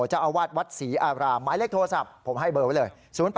เจ้าอาวาสวัดศรีอารามหมายเลขโทรศัพท์ผมให้เบอร์ไว้เลย